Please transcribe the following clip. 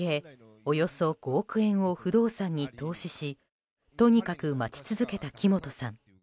およそ５億円を不動産に投資しとにかく待ち続けた木本さん。